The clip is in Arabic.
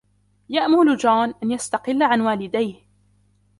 يأمل جون أن يستقل عن والديه.